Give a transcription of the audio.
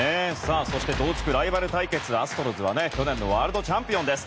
そして同地区ライバル対決のアストロズは去年のワールドチャンピオンです。